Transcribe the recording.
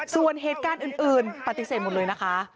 ส่วนเหตุการณ์อื่นปฏิเสธหมดเลยนะคะ